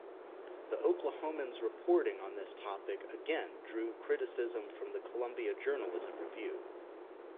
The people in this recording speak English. "The Oklahoman"'s reporting on this topic again drew criticism from the "Columbia Journalism Review".